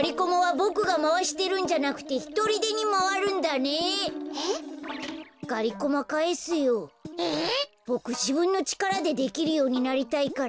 ボクじぶんのちからでできるようになりたいから。